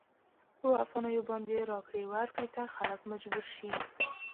په افغانیو باندې راکړې ورکړې ته خلک مجبور شي.